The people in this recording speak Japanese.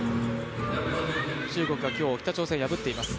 中国は今日北朝鮮を破っています。